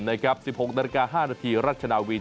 ๑๖น๕นรัชนาวี